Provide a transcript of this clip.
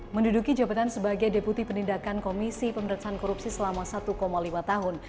menduduki jabatan sebagai deputi penindakan komisi pemberantasan korupsi selama satu lima tahun